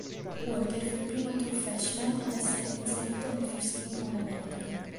Walker fu il primo "true freshman" ad essere inserito nel first-team All-American.